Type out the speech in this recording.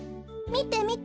みてみて！